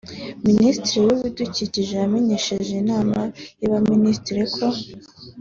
a) Minisitiri w’Ibidukikije yamenyesheje Inama y’Abaminisitiri ko